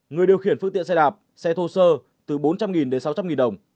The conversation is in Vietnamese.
người điều khiển phương tiện xe đạp xe thô sơ từ bốn trăm linh đến sáu trăm linh đồng